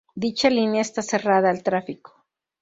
Dicha línea está cerrada al tráfico.